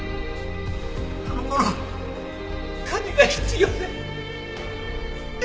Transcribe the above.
あの頃金が必要で。